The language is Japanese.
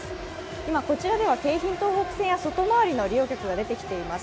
今、こちらでは京浜東北線や外回りの利用客が出てきています。